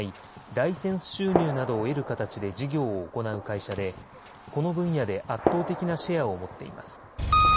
ライセンス収入などを得る形で事業を行う会社でこの分野で圧倒的なシェアを持っています。